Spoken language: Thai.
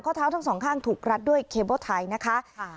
เท้าทั้งสองข้างถูกรัดด้วยเคเบิ้ลไทยนะคะ